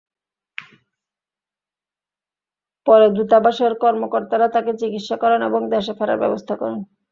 পরে দূতাবাসের কর্মকর্তারা তাঁকে চিকিৎসা করান এবং দেশে ফেরার ব্যবস্থা করেন।